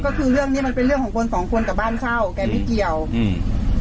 ก็คือเรื่องเนี้ยมันเป็นเรื่องของคนสองคนกับบ้านเช่าแกไม่เกี่ยวอืม